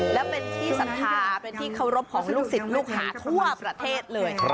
และเป็นที่ศรัทธาเป็นที่เคารพของลูกศิษย์ลูกหาทั่วประเทศเลย